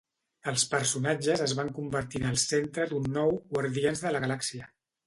Els personatges es van convertir en el centre d'un nou Guardians de la Galàxia.